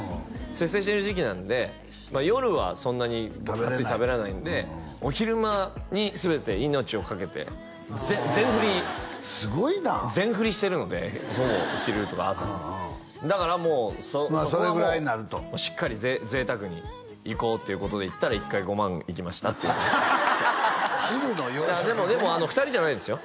節制してる時期なので夜はそんなにガッツリ食べられないのでお昼間に全て命を懸けて全振り全振りしてるのでほぼ昼とか朝にだからそこはもうしっかり贅沢にいこうっていうことでいったら１回５万いきましたっていう話昼のでも２人じゃないですよ